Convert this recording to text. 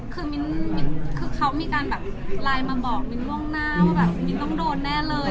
คือมิ้นมีการไลน์มาบอกมิ้นวงหน้าว่ามิ้นต้องโดนแน่เลย